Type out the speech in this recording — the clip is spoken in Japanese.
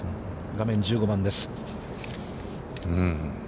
画面は１５番です。